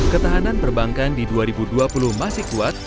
ketahanan perbankan di dua ribu dua puluh masih kuat